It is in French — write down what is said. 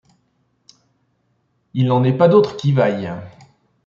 Il n’en est pas d’autre qui vaille.